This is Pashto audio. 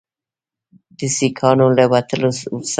د سیکانو له وتلو سره